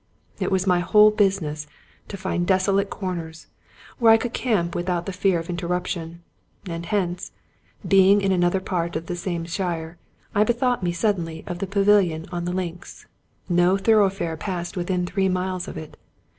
It was my whole business to find desolate corners, where I could camp without the fear of interruption; and hence, being in another part of the same shire, I bethought me suddenly of the Pavilion on the Links. No thoroughfare passed within three miles of it.